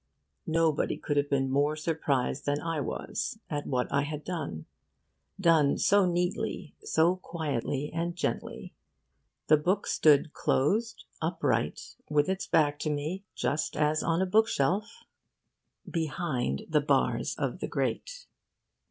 Nobody could have been more surprised than I was at what I had done done so neatly, so quietly and gently. The book stood closed, upright, with its back to me, just as on a book shelf, behind the bars of the grate.